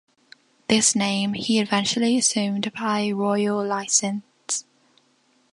This name he eventually assumed by royal licence.